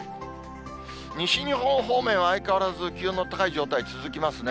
西日本方面は相変わらず気温の高い状態続きますね。